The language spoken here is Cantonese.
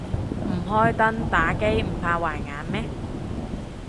唔開燈打機唔怕壞眼咩